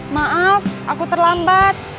maaf aku terlambat